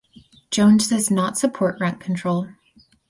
Jones does not support rent control.